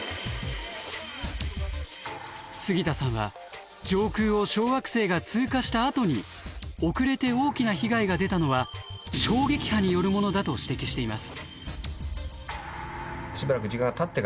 杉田さんは上空を小惑星が通過したあとに遅れて大きな被害が出たのは衝撃波によるものだと指摘しています。